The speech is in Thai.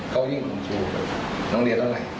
เขายิ่งคงโดยนักเรียนเต้าหน่อย